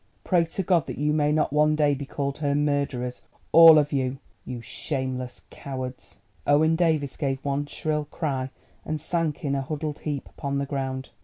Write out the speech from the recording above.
Pray to God that you may not one day be called her murderers, all of you—you shameless cowards." Owen Davies gave one shrill cry and sank in a huddled heap upon the ground.